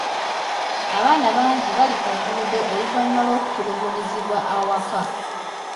Abaana bangi bali ku nguudo oluvannyuma lw'okutulugunyizibwa awaka.